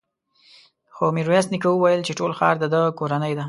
خو ميرويس نيکه وويل چې ټول ښار د ده کورنۍ ده.